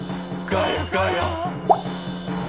ガヤ！ガヤ！」